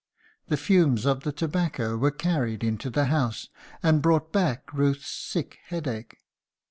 The fumes of the tobacco were carried into the house and brought back Ruth's sick headache.